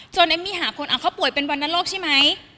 จนเอมมี่หาคนเอาเขาเป็นบรรณโรคใช่ไหม